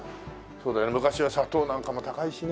そうだよ昔は砂糖なんかも高いしね。